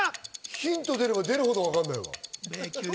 ヒント、出れば出るほどわかんないわ。